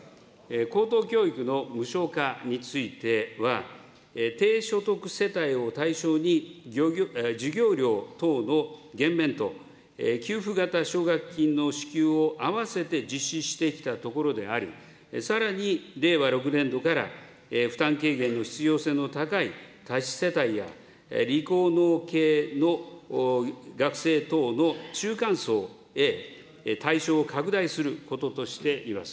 高等教育の無償化については、低所得世帯を対象に、授業料等の減免と、給付型奨学金の支給をあわせて実施してきたところであり、さらに令和６年度から、負担軽減の必要性の高い多子世帯や理工農系の学生等の中間層へ対象を拡大することとしています。